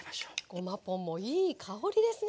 ごまポンもいい香りですね。